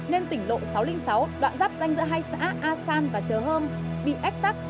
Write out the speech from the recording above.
nên tỉnh lộ sáu trăm linh sáu đoạn giáp danh giữa hai xã a san và chớm bị ách tắc